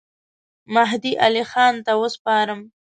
مهدي علي خان ته وسپارم.